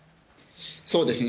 そうですね。